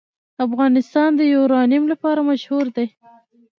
افغانستان د یورانیم لپاره مشهور دی.